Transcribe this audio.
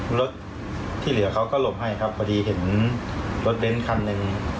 รถที่เหลือเขาก็หลบให้ครับพอดีเห็นรถเบ้นคันหนึ่ง